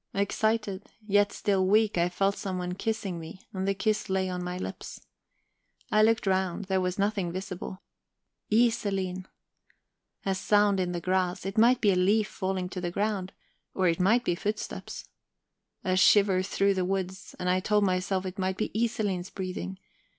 Excited, yet still weak, I felt someone kissing me, and the kiss lay on my lips. I looked round: there was nothing visible. "Iselin!" A sound in the grass it might be a leaf falling to the ground, or it might be footsteps. A shiver through the woods and I told myself it might be Iselin's breathing.